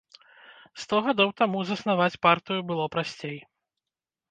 Сто гадоў таму заснаваць партыю было прасцей.